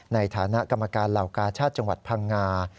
ในฐานะกรรมการเหล่ากาชาติจังหวัดพังงา